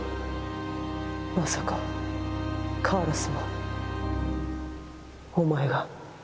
まさかカーラスもお前が。